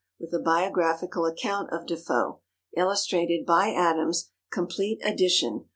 With a Biographical Account of Defoe. Illustrated by Adams. Complete Edition.